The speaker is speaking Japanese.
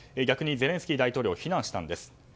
逆にゼレンスキー大統領を非難したんです。